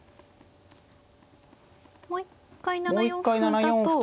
もう一回７四歩だと。